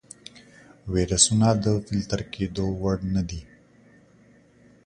ویروسونه د فلتر کېدو وړ نه دي.